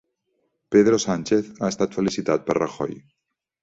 Pedro Sánchez ha estat felicitat per Rajoy